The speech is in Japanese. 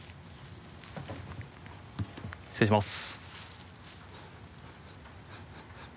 失礼します。